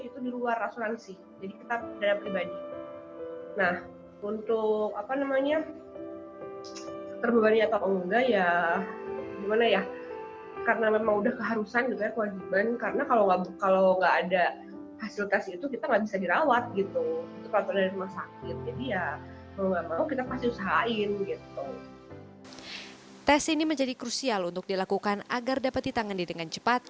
tes ini menjadi krusial untuk dilakukan agar dapat ditangani dengan cepat